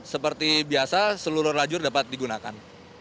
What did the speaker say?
seperti biasa seluruh lajur dapat digunakan